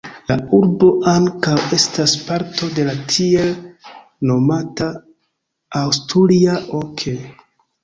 La urbo ankaŭ estas parto de la tiel nomata "Asturia ok".